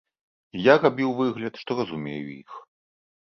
І я рабіў выгляд, што разумею іх.